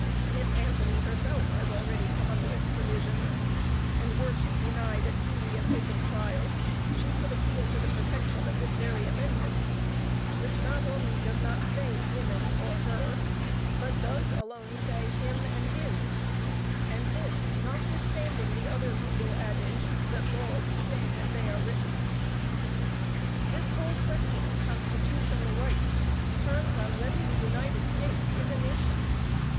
Miss Anthony, herself, has already come under its provisions, and were she denied a speedy and open trial, she could appeal to the protection of this very amendment, which not only does not say women, or her, but does alone say him and his, and this, notwithstanding the other legal adage, that laws stand as they are written. This whole question of constitutional rights, turns on whether the United States is a nation.